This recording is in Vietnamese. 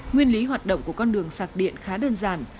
nguyên lý hoạt động của con đường sạc điện khá đơn giản